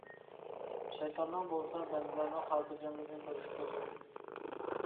شەيتاننىڭ بولسا بەندىلەرنىڭ خاتىرجەملىكىنى كۆرۈشكە كۆزى يوق!